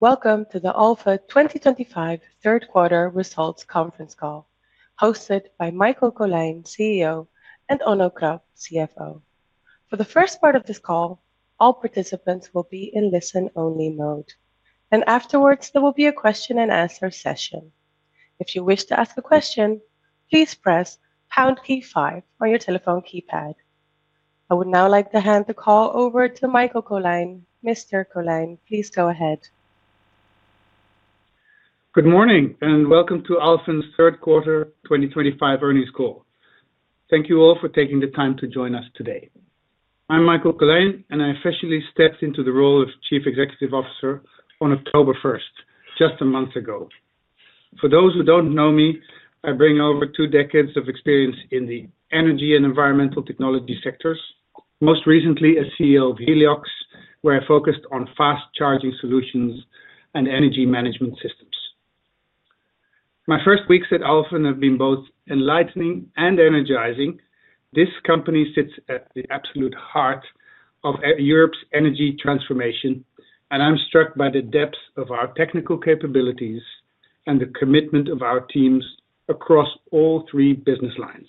Welcome to the Alfen 2025 third quarter results conference call, hosted by Michael Colijn, CEO, and Onno Krap, CFO. For the first part of this call, all participants will be in listen-only mode, and afterwards there will be a question-and-answer session. If you wish to ask a question, please press pound key five on your telephone keypad. I would now like to hand the call over to Michael Colijn. Mr. Colijn, please go ahead. Good morning and welcome to Alfen's third quarter 2025 earnings call. Thank you all for taking the time to join us today. I'm Michael Colijn, and I officially stepped into the role of Chief Executive Officer on October 1st, just a month ago. For those who don't know me, I bring over two decades of experience in the energy and environmental technology sectors, most recently as CEO of Heliox, where I focused on fast charging solutions and energy management systems. My first weeks at Alfen have been both enlightening and energizing. This company sits at the absolute heart of Europe's energy transformation, and I'm struck by the depth of our technical capabilities and the commitment of our teams across all three business lines.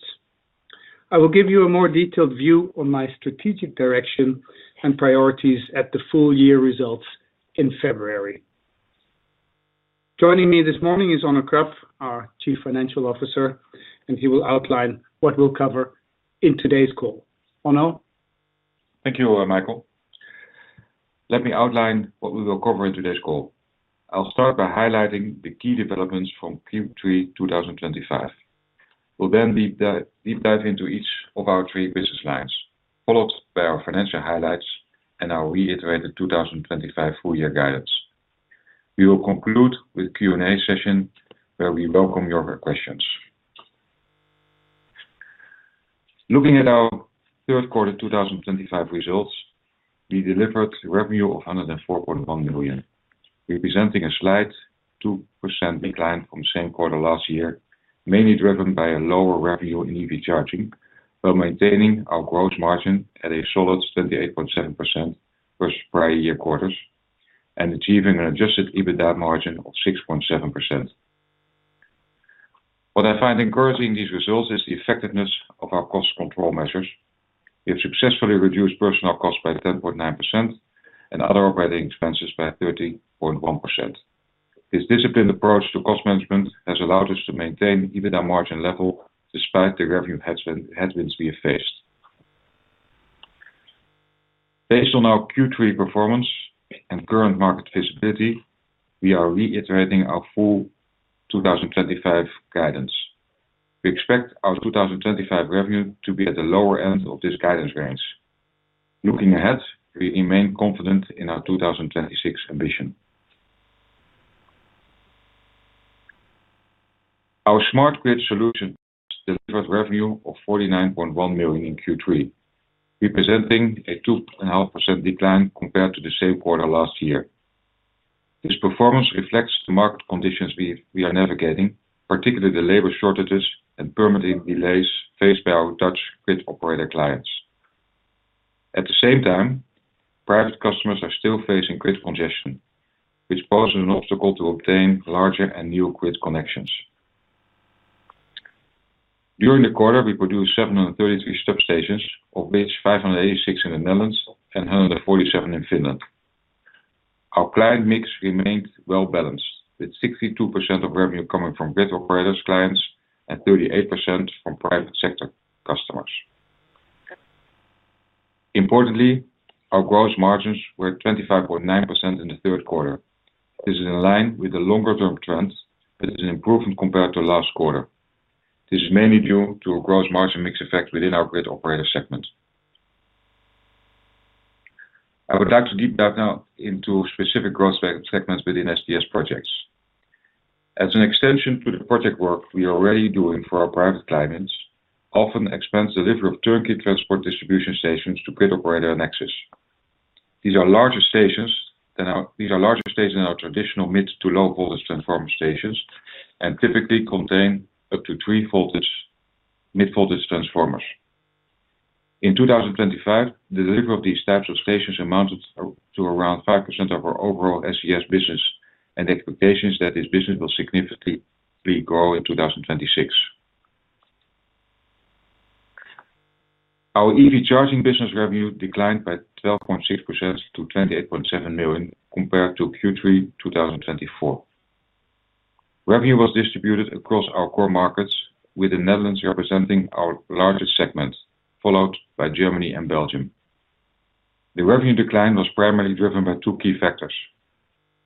I will give you a more detailed view on my strategic direction and priorities at the full year results in February. Joining me this morning is Onno Krap, our Chief Financial Officer, and he will outline what we'll cover in today's call. Onno. Thank you, Michael. Let me outline what we will cover in today's call. I'll start by highlighting the key developments from Q3 2025. We'll then deep dive into each of our three business lines, followed by our financial highlights and our reiterated 2025 full year guidance. We will conclude with a Q&A session where we welcome your questions. Looking at our third quarter 2025 results, we delivered revenue of 104.1 million, representing a slight 2% decline from the same quarter last year, mainly driven by a lower revenue in EV charging, while maintaining our gross margin at a solid 28.7% versus prior year quarters and achieving an adjusted EBITDA margin of 6.7%. What I find encouraging in these results is the effectiveness of our cost control measures. We have successfully reduced personnel costs by 10.9% and other operating expenses by 30.1%. This disciplined approach to cost management has allowed us to maintain EBITDA margin level despite the revenue headwinds we have faced. Based on our Q3 performance and current market visibility, we are reiterating our full 2025 guidance. We expect our 2025 revenue to be at the lower end of this guidance range. Looking ahead, we remain confident in our 2026 ambition. Our Smart Grid Solutions delivered revenue of 49.1 million in Q3, representing a 2.5% decline compared to the same quarter last year. This performance reflects the market conditions we are navigating, particularly the labor shortages and permitting delays faced by our Dutch grid operator clients. At the same time, private customers are still facing grid congestion, which poses an obstacle to obtain larger and new grid connections. During the quarter, we produced 733 substations, of which 586 in the Netherlands and 147 in Finland. Our client mix remained well-balanced, with 62% of revenue coming from grid operators' clients and 38% from private sector customers. Importantly, our gross margins were at 25.9% in the third quarter. This is in line with the longer-term trend, but it is an improvement compared to last quarter. This is mainly due to a gross margin mix effect within our grid operator segment. I would like to deep dive now into specific gross segments within Smart Grid Solutions projects. As an extension to the project work we are already doing for our private clients, Alfen expands the delivery of turnkey transport distribution stations to grid operator Nexans. These are larger stations than our traditional mid to low voltage transformer stations and typically contain up to three mid-voltage transformers. In 2025, the delivery of these types of stations amounted to around 5% of our overall Smart Grid Solutions business, and the expectation is that this business will significantly grow in 2026. Our EV charging business revenue declined by 12.6% to 28.7 million compared to Q3 2024. Revenue was distributed across our core markets, with the Netherlands representing our largest segment, followed by Germany and Belgium. The revenue decline was primarily driven by two key factors: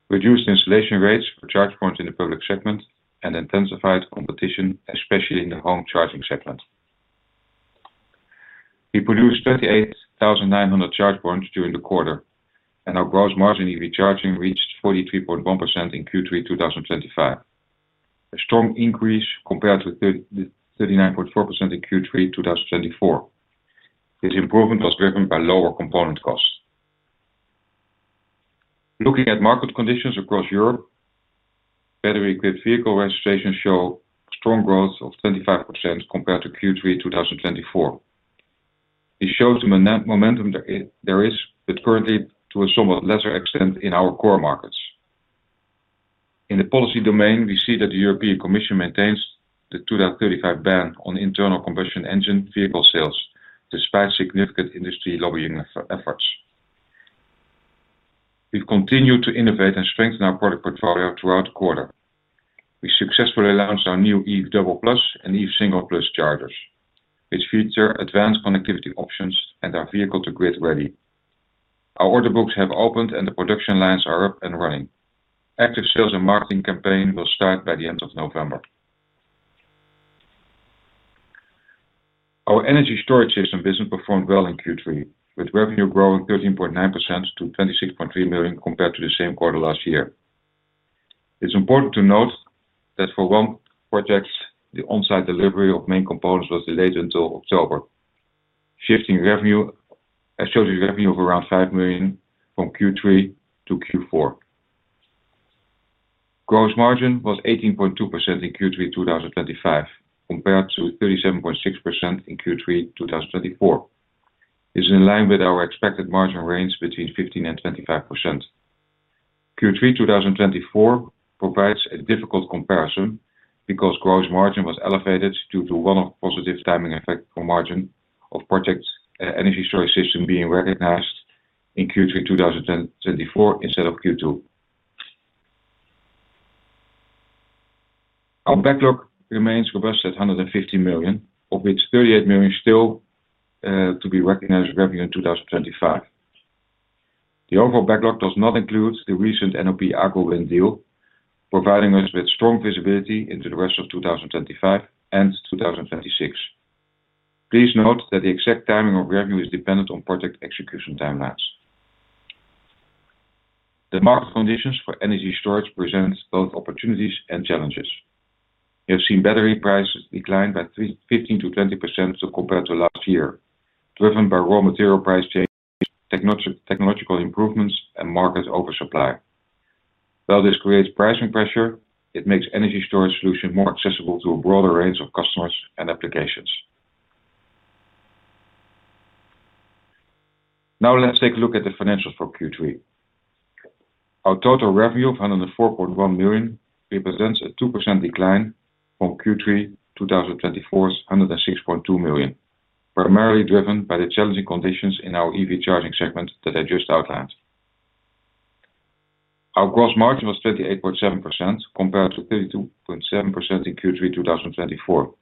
reduced installation rates for charge points in the public segment and intensified competition, especially in the home charging segment. We produced 38,900 charge points during the quarter, and our gross margin in EV Charging reached 43.1% in Q3 2025. A strong increase compared to 39.4% in Q3 2024. This improvement was driven by lower component costs. Looking at market conditions across Europe, battery-equipped vehicle registrations show strong growth of 25% compared to Q3 2024. This shows the momentum there is, but currently to a somewhat lesser extent in our core markets. In the policy domain, we see that the European Commission maintains the 2035 ban on internal combustion engine vehicle sales, despite significant industry lobbying efforts. We've continued to innovate and strengthen our product portfolio throughout the quarter. We successfully launched our new EV Double Plus and EV Single Plus chargers, which feature advanced connectivity options and are vehicle-to-grid ready. Our order books have opened, and the production lines are up and running. Active sales and marketing campaign will start by the end of November. Our Energy Storage Systems business performed well in Q3, with revenue growing 13.9% to 26.3 million compared to the same quarter last year. It's important to note that for one project, the on-site delivery of main components was delayed until October, shifting revenue and showing a revenue of around 5 million from Q3 to Q4. Gross margin was 18.2% in Q3 2025, compared to 37.6% in Q3 2024. This is in line with our expected margin range between 15%-25%. Q3 2024 provides a difficult comparison because gross margin was elevated due to one of the positive timing effects for margin of project Energy Storage Systems being recognized in Q3 2024 instead of Q2. Our backlog remains robust at 150 million, of which 38 million still to be recognized revenue in 2025. The overall backlog does not include the recent NOP-AGO-WIN deal, providing us with strong visibility into the rest of 2025 and 2026. Please note that the exact timing of revenue is dependent on project execution timelines. The market conditions for energy storage present both opportunities and challenges. We have seen battery prices decline by 15%-20% compared to last year, driven by raw material price changes, technological improvements, and market oversupply. While this creates pricing pressure, it makes energy storage solutions more accessible to a broader range of customers and applications. Now let's take a look at the financials for Q3. Our total revenue of 104.1 million represents a 2% decline from Q3 2024's 106.2 million, primarily driven by the challenging conditions in our EV Charging segment that I just outlined. Our gross margin was 28.7% compared to 32.7% in Q3 2024.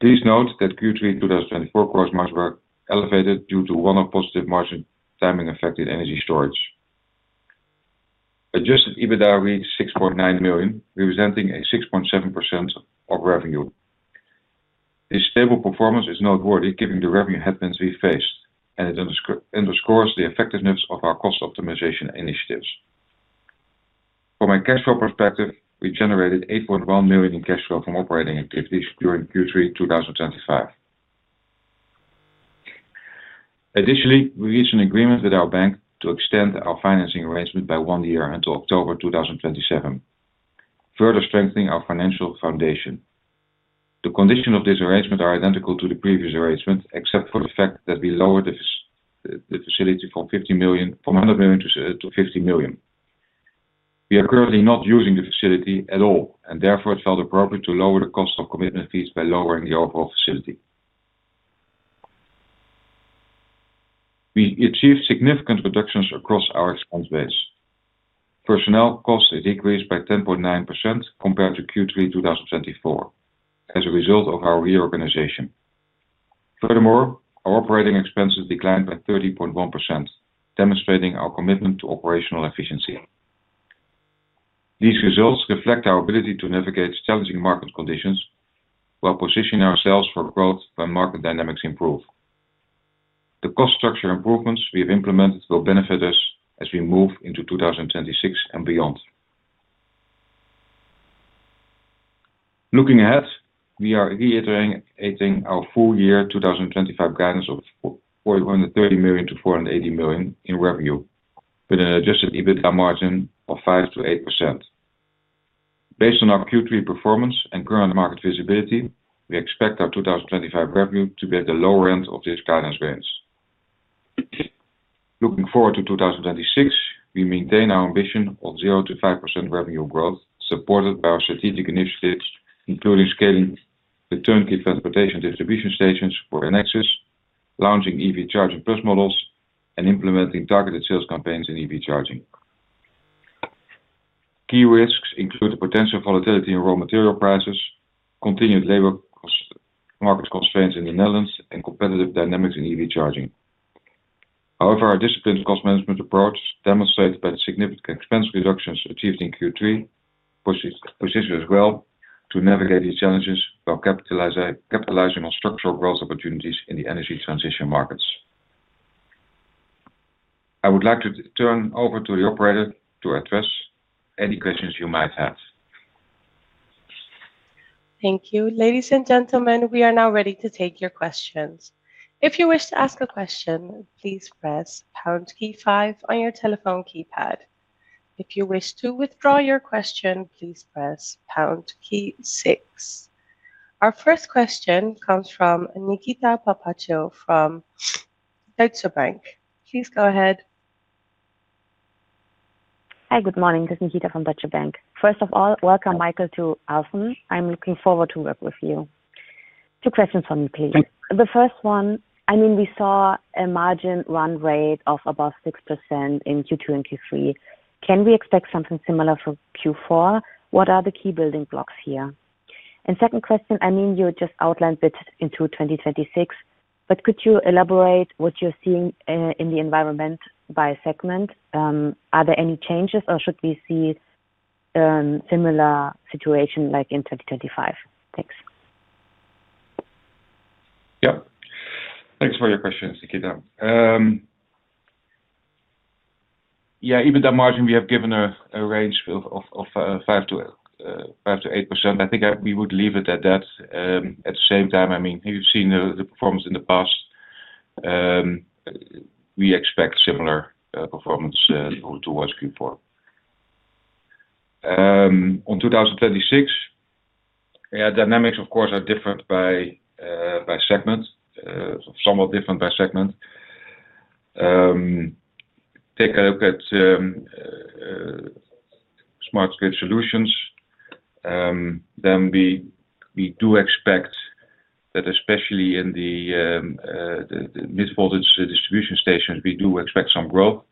Please note that Q3 2024 gross margins were elevated due to one of the positive margin timing effects in energy storage. Adjusted EBITDA reached 6.9 million, representing a 6.7% of revenue. This stable performance is noteworthy, given the revenue headwinds we faced, and it underscores the effectiveness of our cost optimization initiatives. From a cash flow perspective, we generated 8.1 million in cash flow from operating activities during Q3 2025. Additionally, we reached an agreement with our bank to extend our financing arrangement by one year until October 2027, further strengthening our financial foundation. The conditions of this arrangement are identical to the previous arrangement, except for the fact that we lowered the facility from 100 million to 50 million. We are currently not using the facility at all, and therefore it felt appropriate to lower the cost of commitment fees by lowering the overall facility. We achieved significant reductions across our expense base. Personnel costs decreased by 10.9% compared to Q3 2024, as a result of our reorganization. Furthermore, our operating expenses declined by 30.1%, demonstrating our commitment to operational efficiency. These results reflect our ability to navigate challenging market conditions while positioning ourselves for growth when market dynamics improve. The cost structure improvements we have implemented will benefit us as we move into 2026 and beyond. Looking ahead, we are reiterating our full year 2025 guidance of 430 million-480 million in revenue, with an adjusted EBITDA margin of 5%-8%. Based on our Q3 performance and current market visibility, we expect our 2025 revenue to be at the lower end of these guidance ranges. Looking forward to 2026, we maintain our ambition of 0%-5% revenue growth, supported by our strategic initiatives, including scaling the turnkey transport distribution stations for Nexans, launching EV Charging Plus models, and implementing targeted sales campaigns in EV Charging. Key risks include the potential volatility in raw material prices, continued labor market constraints in the Netherlands, and competitive dynamics in EV Charging. However, our disciplined cost management approach, demonstrated by the significant expense reductions achieved in Q3, positions us well to navigate these challenges while capitalizing on structural growth opportunities in the energy transition markets. I would like to turn over to the operator to address any questions you might have. Thank you. Ladies and gentlemen, we are now ready to take your questions. If you wish to ask a question, please press pound key five on your telephone keypad. If you wish to withdraw your question, please press pound key six. Our first question comes from Nikita Papaccio from Deutsche Bank. Please go ahead. Hi, good morning. This is Nikita from Deutsche Bank. First of all, welcome, Michael, to Alfen. I'm looking forward to working with you. Two questions for me, please. The first one, I mean, we saw a margin run rate of above 6% in Q2 and Q3. Can we expect something similar for Q4? What are the key building blocks here? Second question, I mean, you just outlined it into 2026, but could you elaborate what you're seeing in the environment by segment? Are there any changes, or should we see a similar situation like in 2025? Thanks. Yeah. Thanks for your questions, Nikita. Yeah, EBITDA margin, we have given a range of 5%-8%. I think we would leave it at that. At the same time, I mean, we've seen the performance in the past. We expect similar performance towards Q4. On 2026, yeah, dynamics, of course, are different by segment, somewhat different by segment. Take a look at Smart Grid Solutions. Then we do expect that, especially in the mid-voltage distribution stations, we do expect some growth.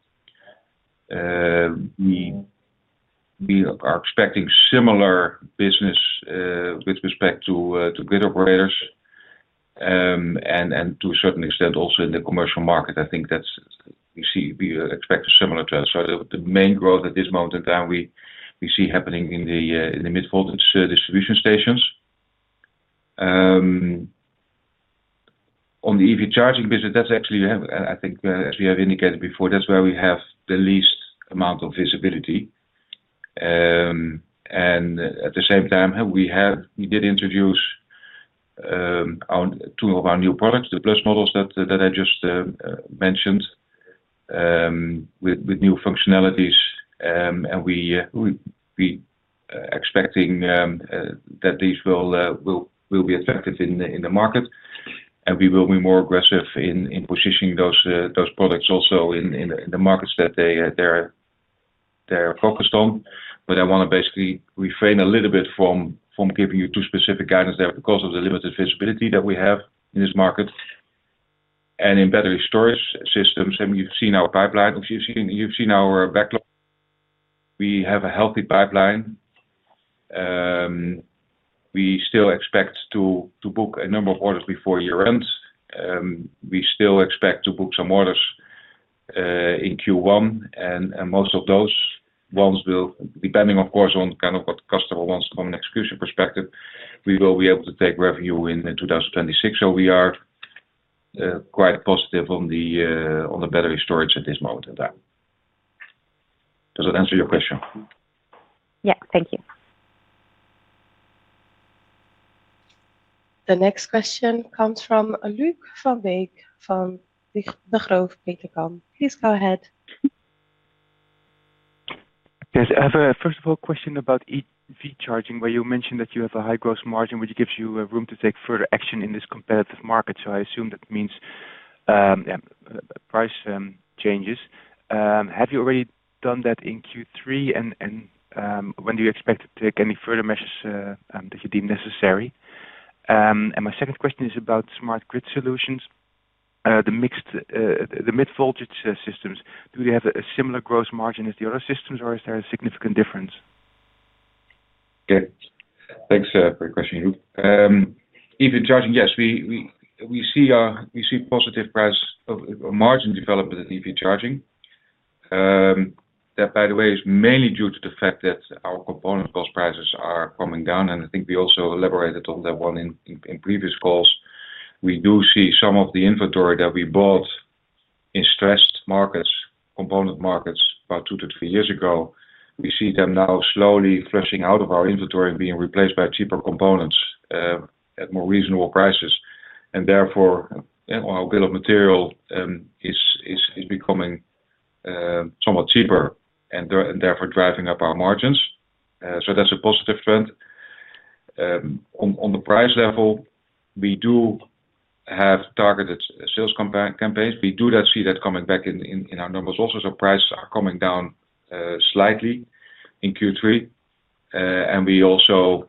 We are expecting similar business with respect to grid operators and to a certain extent also in the commercial market. I think that we expect a similar trend. The main growth at this moment in time, we see happening in the mid-voltage distribution stations. On the EV Charging business, that's actually, I think, as we have indicated before, that's where we have the least amount of visibility. At the same time, we did introduce two of our new products, the Plus models that I just mentioned, with new functionalities. We are expecting that these will be effective in the market, and we will be more aggressive in positioning those products also in the markets that they're focused on. I want to basically refrain a little bit from giving you too specific guidance there because of the limited visibility that we have in this market. In Energy Storage Systems, and we've seen our pipeline, you've seen our backlog, we have a healthy pipeline. We still expect to book a number of orders before year-end. We still expect to book some orders in Q1, and most of those ones will, depending, of course, on kind of what customer wants from an execution perspective, we will be able to take revenue in 2026. We are quite positive on the battery storage at this moment in time. Does that answer your question? Yeah, thank you. The next question comes from Luuk Van Beek, from Bank Degroof Petercam. Please go ahead. Yes, I have a first of all question about EV charging, where you mentioned that you have a high gross margin, which gives you room to take further action in this competitive market. I assume that means price changes. Have you already done that in Q3, and when do you expect to take any further measures that you deem necessary? My second question is about Smart Grid Solutions, the mid-voltage systems. Do they have a similar gross margin as the other systems, or is there a significant difference? Okay. Thanks for your question, Luuk. EV charging, yes, we see positive margin development in EV charging. That, by the way, is mainly due to the fact that our component cost prices are coming down. I think we also elaborated on that one in previous calls. We do see some of the inventory that we bought in stressed markets, component markets, about two to three years ago. We see them now slowly flushing out of our inventory and being replaced by cheaper components at more reasonable prices. Therefore, our bill of material is becoming somewhat cheaper, and therefore driving up our margins. That is a positive trend. On the price level, we do have targeted sales campaigns. We do see that coming back in our numbers also. Prices are coming down slightly in Q3. We also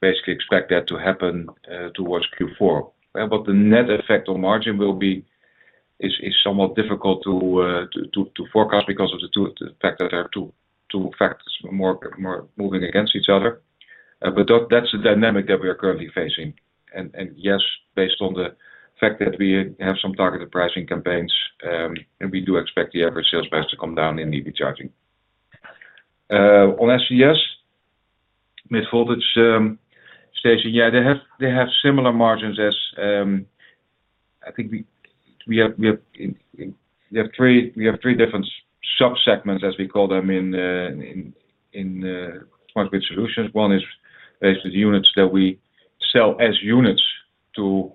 basically expect that to happen towards Q4. What the net effect on margin will be is somewhat difficult to forecast because of the fact that there are two factors moving against each other. That is the dynamic that we are currently facing. Yes, based on the fact that we have some targeted pricing campaigns, we do expect the average sales price to come down in EV charging. On ESS, mid-voltage station, yeah, they have similar margins as—I think we have three different sub-segments, as we call them, in Smart Grid Solutions. One is basically the units that we sell as units to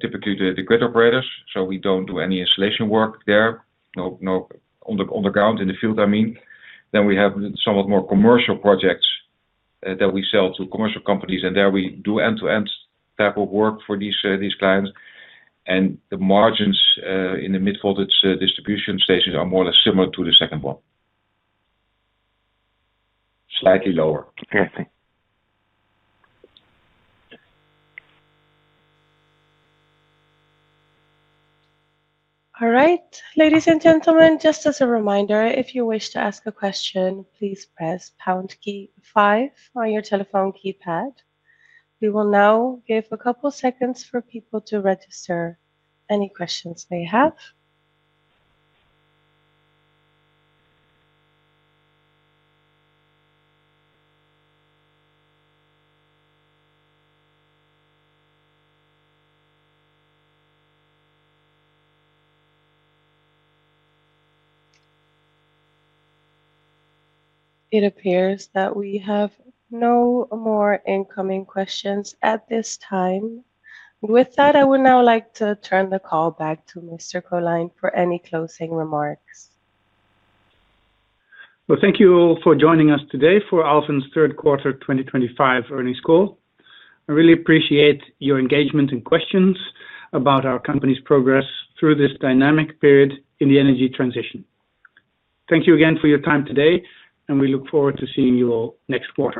typically the grid operators. We do not do any installation work there, underground in the field, I mean. Then we have somewhat more commercial projects that we sell to commercial companies, and there we do end-to-end type of work for these clients. The margins in the mid-voltage distribution stations are more or less similar to the second one, slightly lower. Interesting. All right. Ladies and gentlemen, just as a reminder, if you wish to ask a question, please press pound key five on your telephone keypad. We will now give a couple of seconds for people to register any questions they have. It appears that we have no more incoming questions at this time. With that, I would now like to turn the call back to Mr. Colijn for any closing remarks. Thank you all for joining us today for Alfen's Third Quarter 2025 earnings call. I really appreciate your engagement and questions about our company's progress through this dynamic period in the energy transition. Thank you again for your time today, and we look forward to seeing you all next quarter.